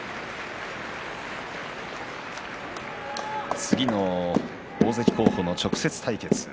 次の大関候補の直接対決